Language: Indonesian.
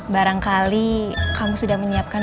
barangkali kamu sudah menyiapkan